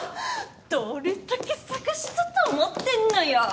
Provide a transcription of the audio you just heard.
どれだけ捜したと思ってんのよ！